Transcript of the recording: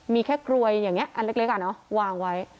มีแค่กลวยอย่างนี้อันเล็กอ่ะเนอะวางไว้